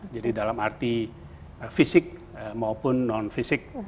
jadi dalam arti fisik maupun non fisik